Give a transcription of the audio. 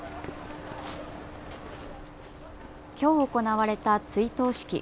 きょう行われた追悼式。